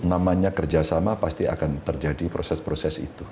namanya kerjasama pasti akan terjadi proses proses itu